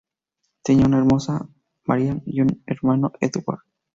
Tenía una hermana, Marian, y un hermano, Edward Jr.